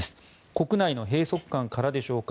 国内の閉塞感からでしょうか